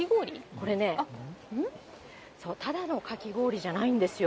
これね、ただのかき氷じゃないんですよ。